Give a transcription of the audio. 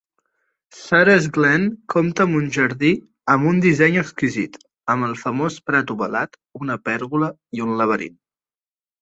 Sarah's Glen compta amb un jardí amb un disseny exquisit, amb el famós prat ovalat, una pèrgola i un laberint.